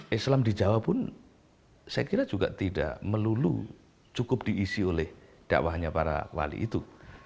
islam di jawa pun saya kira juga tidak melulu cukup diisi oleh dakwahnya para wali itu